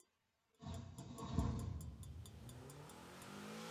پرون احمد ډېرې چټي خبرې کول؛ پر سترګو مې پېروي ورته راواوښتل.